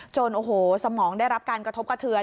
โอ้โหสมองได้รับการกระทบกระเทือน